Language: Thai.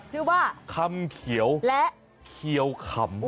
ชื่อว่าคำเขียวและเขียวขำ